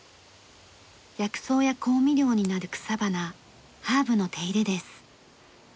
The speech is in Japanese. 薬草や香味料になる草花ハーブの手入れです。